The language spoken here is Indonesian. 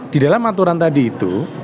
di dalam aturan tadi itu